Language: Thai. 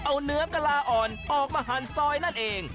เอาเนื้อกะลาอ่อนออกมาหั่นซอยนั่นเอง